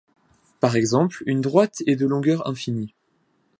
Par exemple une droite est de longueur infinie.